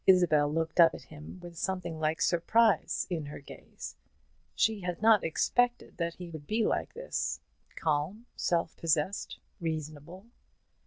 Isabel looked up at him with something like surprise in her gaze. She had not expected that he would be like this calm, self possessed, reasonable.